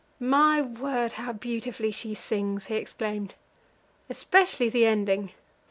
"My word, how beautifully she sings!" he exclaimed; "especially the ending.